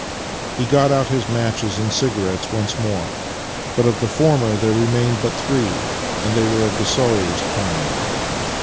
He got out his matches and cigarettes once more, but of the former there remained but three, and they of the sorriest kind.